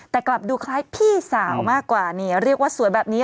แต่กลับดูคล้ายพี่สาวมากกว่านี่เรียกว่าสวยแบบนี้